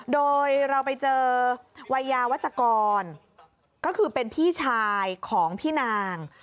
โดยเราไปเจอวัยยาวัชกรก็คือเป็นพี่ชายของพี่นาง